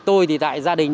tôi thì tại gia đình